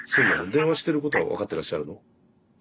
電話してることは分かってらっしゃるの？